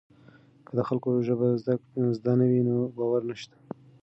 که د خلکو ژبه زده نه وي نو باور نشته.